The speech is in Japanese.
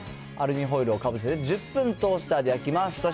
アルミホイルをかぶせて１０分トースターで焼きます。